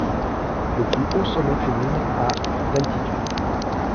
Le plus haut sommet culmine à d'altitude.